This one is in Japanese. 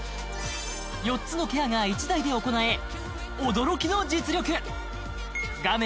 ４つのケアが１台で行え驚きの実力画面